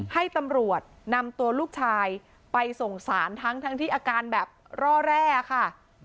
ให้ตำรวจนำตัวลูกชายไปส่งสารทั้งที่อาการแบบร่อแร่ค่ะ